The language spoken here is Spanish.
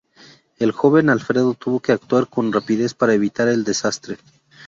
El joven Alfredo tuvo que actuar con rapidez para evitar el desastre.